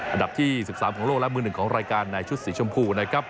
อันดับที่๑๓ของโลกและมือหนึ่งของรายการในชุดสีชมพูนะครับ